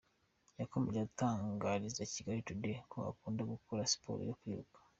yakomeje atangariza Kigali Today ko akunda gukora siporo yo kwiruka.